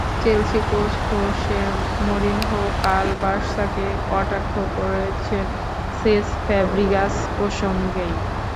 Chelsea coach Jose Mourinho কাল বার্সাকে কটাক্ষ করেছেন সেস ফ্যাব্রিগাস প্রসঙ্গেই।